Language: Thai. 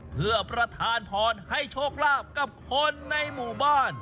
เพื่อประทานพรให้โชคลาภกับคนในหมู่บ้าน